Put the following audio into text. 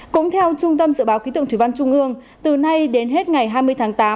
cũng theo trung tâm dự báo ký tượng thủy văn trung ương từ nay đến hết ngày hai mươi tháng tám